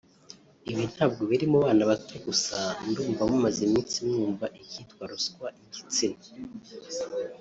Ibyo ntabwo biri mu bana bato gusa ndumva mumaze iminsi mwumva ikitwa ruswa y’igitsina